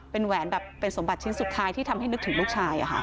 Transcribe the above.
เป็นแหวนแบบเป็นสมบัติชิ้นสุดท้ายที่ทำให้นึกถึงลูกชาย